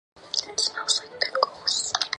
首府霍斯霍尔姆。